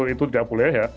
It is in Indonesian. itu tidak boleh ya